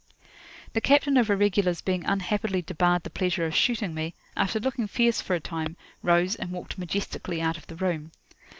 The captain of Irregulars being unhappily debarred the pleasure of shooting me, after looking fierce for a time, rose, and walked majestically out of the room.